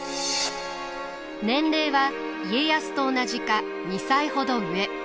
年齢は家康と同じか２歳ほど上。